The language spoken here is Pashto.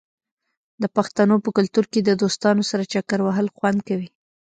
د پښتنو په کلتور کې د دوستانو سره چکر وهل خوند کوي.